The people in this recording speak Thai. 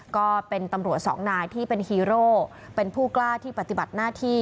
ก็เป็นตำรวจสองนายที่เป็นฮีโร่เป็นผู้กล้าที่ปฏิบัติหน้าที่